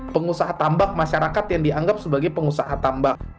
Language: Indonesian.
pengusaha tambak masyarakat yang dianggap sebagai pengusaha tambak